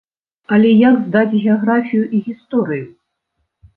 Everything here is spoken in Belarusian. Але як здаць геаграфію і гісторыю?